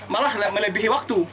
malah melebihi waktu